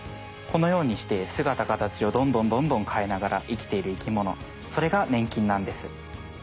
このようにしてすがた形をどんどんどんどんかえながら生きている生きものそれがねん菌なんです。